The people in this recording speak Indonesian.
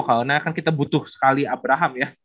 karena kan kita butuh sekali abraham ya